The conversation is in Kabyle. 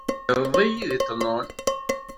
Tegreḍ-iyi deg ṭnun.